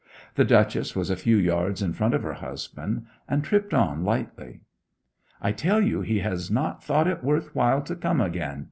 The Duchess was a few yards in front of her husband and tripped on lightly. 'I tell you he has not thought it worth while to come again!'